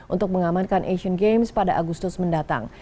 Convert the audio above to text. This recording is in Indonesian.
untuk mengamankan asian games pada agustus mendatang